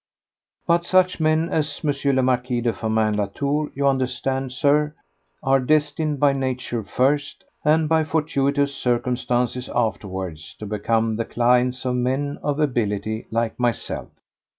But such men as M. le Marquis de Firmin Latour, you understand, Sir, are destined by Nature first and by fortuitous circumstances afterwards to become the clients of men of ability like myself.